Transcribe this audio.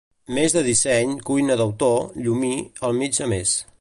Més de disseny, cuina d'autor, Llumí, al mig a més.